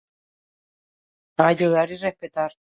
Hay deber y respetar